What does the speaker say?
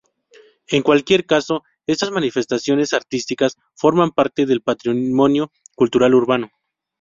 En cualquier caso, estas manifestaciones artísticas forman parte del patrimonio cultural urbano.